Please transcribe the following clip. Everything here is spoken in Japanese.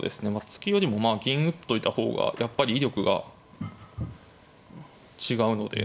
突きよりもまあ銀打っといた方がやっぱり威力が違うので。